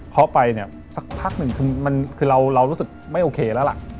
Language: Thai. เขาไปเนี่ยสักพักหนึ่งคือเรารู้สึกไม่โอเคแล้วล่ะ